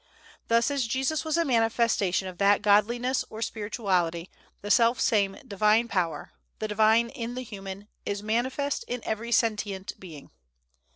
Thus, as Jesus was a manifestation of that Godliness or spirituality, the self same Divine power the "Divine in the human" is manifest in every sentient being.